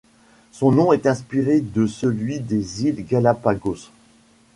Son nom est inspiré de celui des îles Galápagos.